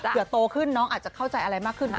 โตขึ้นน้องอาจจะเข้าใจอะไรมากขึ้น